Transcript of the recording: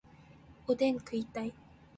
おでん食いたい